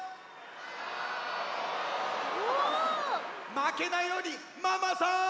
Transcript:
まけないようにママさん！